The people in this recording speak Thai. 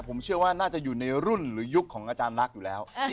ผมเชื่อว่าน่าจะอยู่ในรุ่นหรือยุคของอาจารย์ลักษณ์อยู่แล้ว